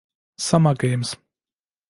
Summer Games.